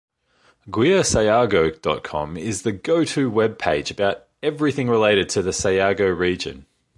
GuiaSayago.com is the go-to webpage about everything related to the Sayago region.